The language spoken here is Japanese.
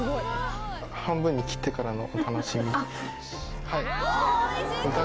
半分に切ってからのお楽しみ。